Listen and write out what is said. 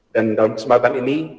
dan dalam kesempatan ini